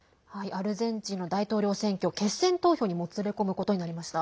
アルゼンチンの大統領選挙決選投票にもつれ込むことになりました。